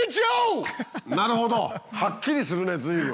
なるほど！はっきりするね随分。